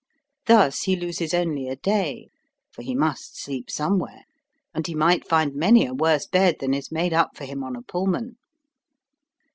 Thus he loses only a day, for he must sleep somewhere, and he might find many a worse bed than is made up for him on a Pullman.